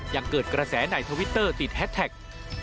ยังเกิดกระแสในทวิตเตอร์ติดแฮชแท็ก